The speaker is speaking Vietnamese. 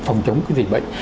phòng chống cái dịch bệnh